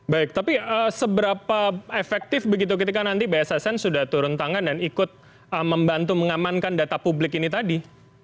baik tapi seberapa efektif begitu ketika nanti bssn sudah turun tangan dan ikut membantu mengamankan data publik ini tadi